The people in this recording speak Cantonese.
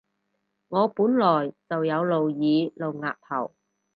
我本來就有露耳露額頭